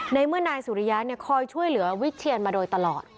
ในเมื่อนายสุริยะคอยช่วยเหลือวิเชียนมาโดยตลอด